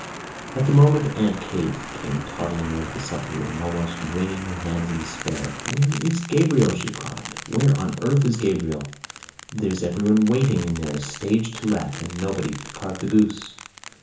At the moment Aunt Kate came toddling out of the supper room, almost wringing her hands in despair. "Where is Gabriel?" she cried. "Where on earth is Gabriel? There's everyone waiting in there, stage to let, and nobody to carve the goose!"